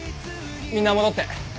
みんな戻って。